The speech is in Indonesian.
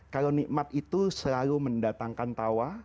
kalau nikmat itu selalu mendatangkan tawa